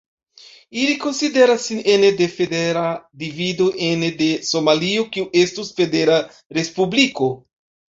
Ili konsideras sin ene de federa divido ene de Somalio kiu estus federa respubliko.